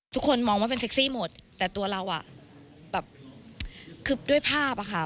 ทุกคนมองว่าเป็นเซ็กซี่หมดแต่ตัวเราอ่ะแบบคือด้วยภาพอะค่ะ